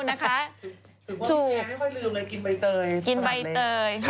ถือว่าให้ไม่ลืมเลยกินใบเตย